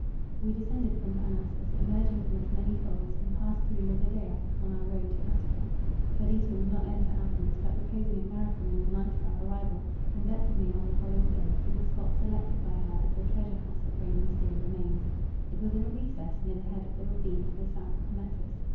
We descended from Parnassus, emerging from its many folds, and passed through Livadia on our road to Attica. Perdita would not enter Athens; but reposing at Marathon on the night of our arrival, conducted me on the following day, to the spot selected by her as the treasure house of Raymond's dear remains. It was in a recess near the head of the ravine to the south of Hymettus.